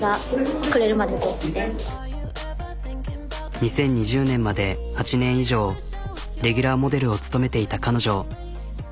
２０２０年まで８年以上レギュラ―モデルを務めていた彼女。